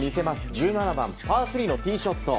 １７番、パー３のティーショット。